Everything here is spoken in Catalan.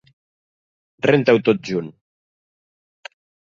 Renta-ho tot junt.